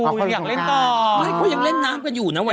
เธอยังเล่นต่อเขายังเล่นน้ำกันอยู่นะวันนี้